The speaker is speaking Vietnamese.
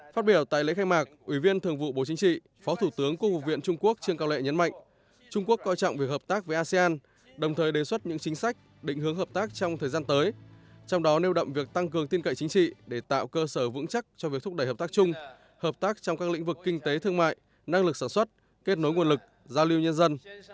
phát biểu tại lễ khai mạc ủy viên thường vụ bộ chính trị phó thủ tướng quốc hội viện trung quốc trương cao lệ nhấn mạnh trung quốc coi trọng việc hợp tác với asean đồng thời đề xuất những chính sách định hướng hợp tác trong thời gian tới trong đó nêu động việc tăng cường tin cậy chính trị để tạo cơ sở vững chắc cho việc thúc đẩy hợp tác chung hợp tác trong các lĩnh vực kinh tế thương mại năng lực sản xuất kết nối nguồn lực giao lưu nhân dân